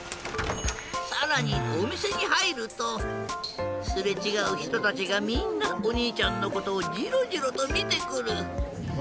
さらにおみせにはいるとすれちがうひとたちがみんなおにいちゃんのことをジロジロとみてくる。